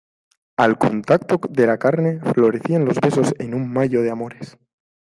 al contacto de la carne, florecían los besos en un mayo de amores.